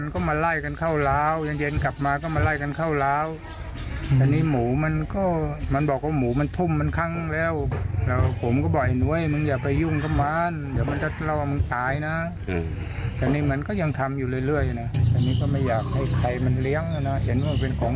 ก็ไม่อยากให้ใครมันเลี้ยงนะนะเห็นว่าเป็นของสวยงามก็จริงอะไรก็ยิงนะ